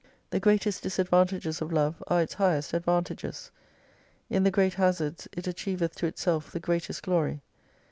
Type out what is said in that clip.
The greatest disadvantages of love are its highest advantages. In the great hazards it achieveth to itself the greatest glory.